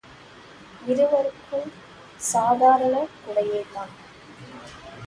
இவருக்குச் சாதாரண குடையேதான்.